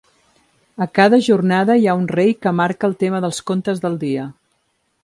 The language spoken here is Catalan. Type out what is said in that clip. A cada jornada hi ha un rei que marca el tema dels contes del dia.